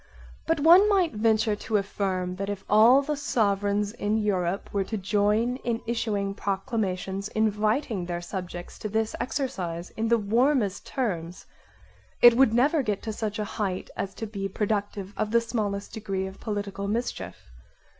But one might venture to affirm that if all the sovereigns in Europe were to join in issuing proclamations inviting their subjects to this exercise in the warmest terms, it would never get to such a heighth as to be productive of the smallest degree of political mischief.